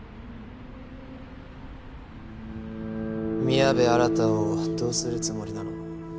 宮部新をどうするつもりなの？